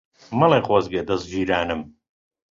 مەڵێ خۆزگە دەزگیرانم